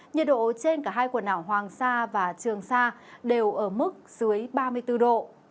nhiệt độ trên cả hai quần đảo hoàng sa và trường sa đều ở mức dưới ba mươi bốn độ